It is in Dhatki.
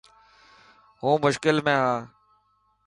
هون مشڪل ۾ هان.